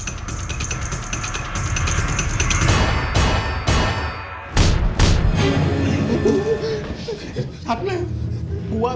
บอกแล้วไงให้กลับ